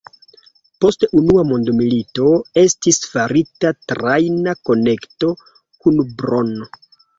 Post unua mondmilito estis farita trajna konekto kun Brno.